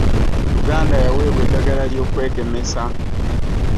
uganda yaweebwa eddagala ly'okwegemesa.